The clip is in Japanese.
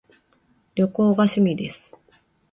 旅行が趣味です